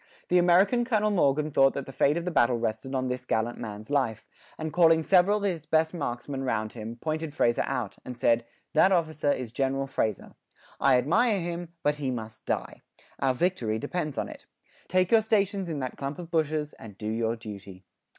The American Colonel Morgan thought that the fate of the battle rested on this gallant man's life, and calling several of his best marksman round him, pointed Fraser out, and said: "That officer is General Fraser; I admire him, but he must die. Our victory depends on it. Take your stations in that clump of bushes, and do your duty."